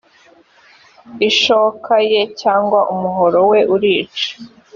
ishoka ye cyangwa umuhoro we urica